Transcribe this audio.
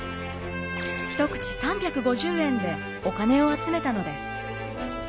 一口３５０円でお金を集めたのです。